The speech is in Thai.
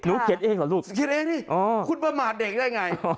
หรือเก็ตเองหรอลูกเก็ตเองนี่คุ้นประมาทเด็กได้ไง